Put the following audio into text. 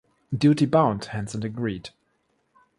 Duty bound, Henson agreed.